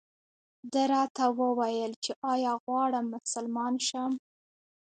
ده راته وویل چې ایا غواړم مسلمان شم.